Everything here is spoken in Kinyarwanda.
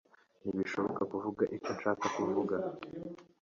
Ntibishoboka kuvuga icyo nshaka kuvuga!